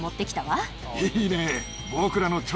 いいねぇ。